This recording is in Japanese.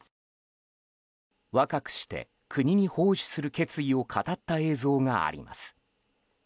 若くして国に奉仕する決意を語った映像があります。